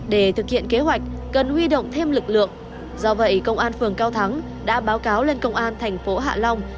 để thực hiện kế hoạch cần huy động thêm lực lượng do vậy công an phường cao thắng đã báo cáo lên công an thành phố hạ long